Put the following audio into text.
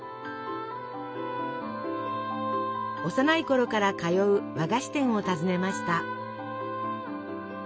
幼いころから通う和菓子店を訪ねました。